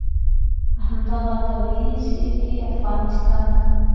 په همدغه طبعي سیر کې افغانستان.